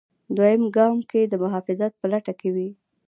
دویم ګام کې د محافظت په لټه کې وي.